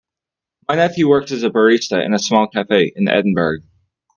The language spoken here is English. My nephew works as a barista in a small cafe in Edinburgh.